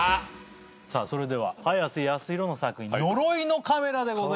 さあそれでははやせやすひろの作品「呪いのカメラ」でございます。